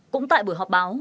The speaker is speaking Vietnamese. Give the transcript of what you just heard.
cũng tại buổi họp báo